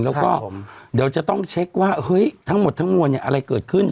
แล้วก็เดี๋ยวจะต้องเช็คว่าเฮ้ยทั้งหมดทั้งมวลเนี่ยอะไรเกิดขึ้น